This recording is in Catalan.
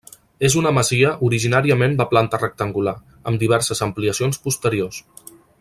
És una masia originàriament de planta rectangular, amb diverses ampliacions posteriors.